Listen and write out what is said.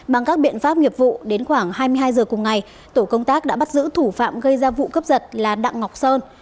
bằng các biện pháp nghiệp vụ đến khoảng hai mươi hai h cùng ngày tổ công tác đã bắt giữ thủ phạm gây ra vụ cướp giật là đặng ngọc sơn